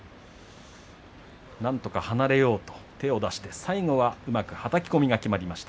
なんとか離れようと手を出して最後うまくはたき込みがきまりました。